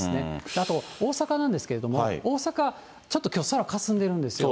あと大阪なんですけれども、大阪、ちょっときょう、空かすんでるんですよ。